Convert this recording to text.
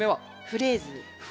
フレーズ。